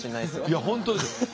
いや本当ですよ。